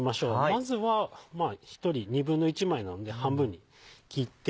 まずは１人１／２枚なので半分に切って。